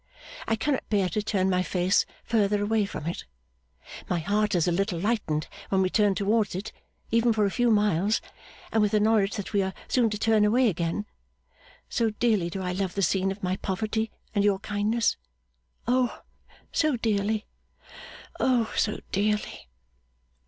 I cannot bear to turn my face further away from it. My heart is a little lightened when we turn towards it, even for a few miles, and with the knowledge that we are soon to turn away again. So dearly do I love the scene of my poverty and your kindness. O so dearly, O so dearly!